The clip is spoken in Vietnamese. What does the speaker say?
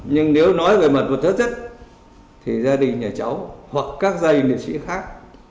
nhưng nếu nói về mặt vật chất chất thì gia đình nhà cháu hoặc các gia đình liệt sĩ khác